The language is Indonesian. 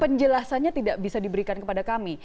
penjelasannya tidak bisa diberikan kepada kami